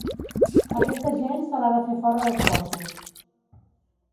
Aquesta gent se l’ha de fer fora dels cossos.